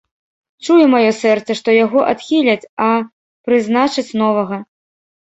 Чуе маё сэрца, што яго адхіляць, а прызначаць новага.